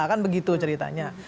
kan begitu ceritanya